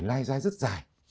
lai dài rất dài